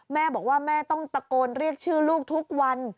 แม่บอกว่าแม่ต้องตะโกนเรียกชื่อลูกทุกวัน